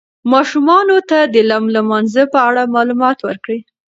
ماشومانو ته د لم لمانځه په اړه معلومات ورکړئ.